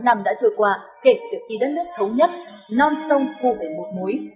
bốn mươi tám năm đã trôi qua kể từ khi đất nước thống nhất non sông khu vệ một múi